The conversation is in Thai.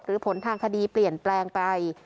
ผลทางคดีเปลี่ยนแปลงไป